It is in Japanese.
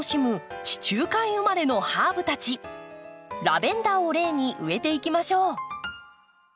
ラベンダーを例に植えていきましょう。